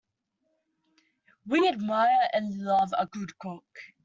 We admire and love a good cook.